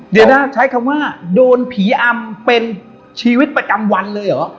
เดี๋ยวนะใช้คำว่าโดนผีอำเป็นชีวิตประจำวันเลยเหรอ